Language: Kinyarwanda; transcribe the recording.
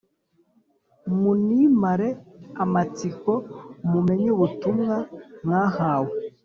munimare amatsiko mumenye ubutumwa mwahawe